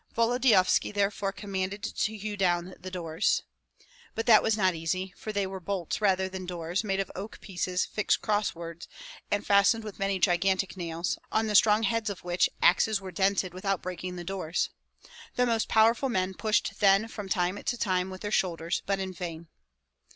Volodyovski therefore commanded to hew down the doors. But that was not easy, for they were bolts rather than doors, made of oak pieces fixed crosswise and fastened with many gigantic nails, on the strong heads of which axes were dented without breaking the doors. The most powerful men pushed then from time to time with their shoulders, but in vain.